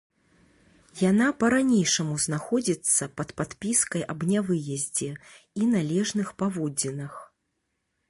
Яна па-ранейшаму знаходзіцца пад падпіскай аб нявыездзе і належных паводзінах.